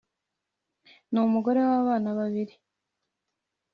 n’umugore wabana babiri